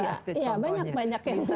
ya banyak banyak yang